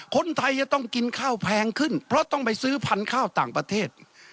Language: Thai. คนไทยจะต้องกินข้าวแพงขึ้นเพราะต้องไปซื้อพันธุ์ข้าวต่างประเทศ